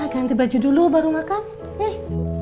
nah ganti baju dulu baru makan nih